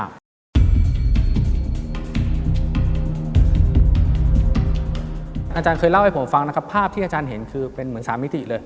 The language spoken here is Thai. อาจารย์เคยเล่าให้ผมฟังนะครับภาพที่อาจารย์เห็นคือเป็นเหมือน๓มิติเลย